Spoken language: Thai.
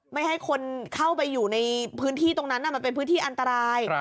ไม่ให้คนเข้าไปอยู่ในพื้นที่ตรงนั้นมันเป็นพื้นที่อันตราย